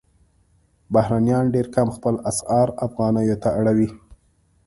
بهرنیان ډېر کم خپل اسعار افغانیو ته اړوي.